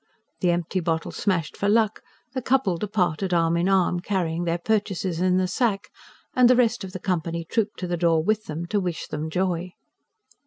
The empty bottle smashed for luck, the couple departed arm in arm, carrying their purchases in the sack; and the rest of the company trooped to the door with them, to wish them joy.